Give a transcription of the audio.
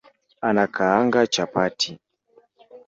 Anakaanga chapati